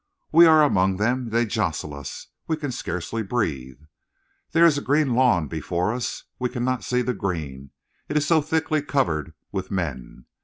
"We are among them; they jostle us; we can scarcely breathe. There is a green lawn below us; we cannot see the green, it is so thickly covered with men.